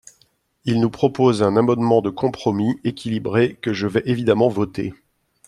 Il nous propose un amendement de compromis, équilibré, que je vais évidemment voter ».